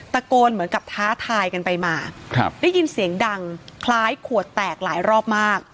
เหมือนกับท้าทายกันไปมาได้ยินเสียงดังคล้ายขวดแตกหลายรอบมาก